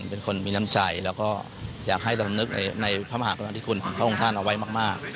เป็นคนมีน้ำใจแล้วก็อยากให้สำนึกในพระมหากรุณาธิคุณของพระองค์ท่านเอาไว้มาก